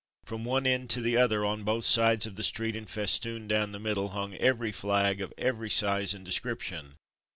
From one end to the other, on both sides of the street and festooned down the middle, hung every flag of every size and description.